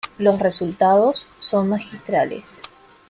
Los resultados son magistrales".